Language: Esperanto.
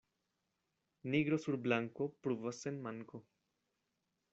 Nigro sur blanko pruvas sen manko.